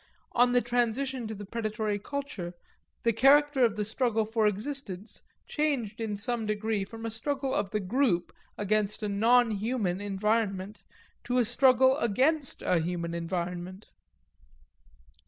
On the transition to the predatory culture the character of the struggle for existence changed in some degree from a struggle of the group against a non human environment to a struggle against a human environment.